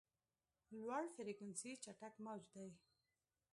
لوړ فریکونسي چټک موج دی.